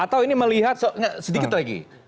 atau ini melihat sedikit lagi